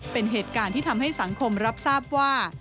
เป็นเหตุการณ์ที่ทำให้สังคมรับทราบว่า